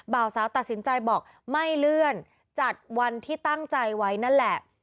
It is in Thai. บ่าวสาวตัดสินใจบอกไม่เลื่อนจัดวันที่ตั้งใจไว้นั่นแหละ